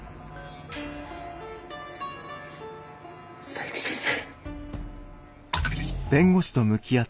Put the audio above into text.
佐伯先生。